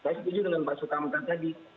saya setuju dengan pak sukamta tadi